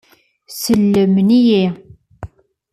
Sellmen-iyi.